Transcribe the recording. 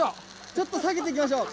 ちょっと下げていきましょう。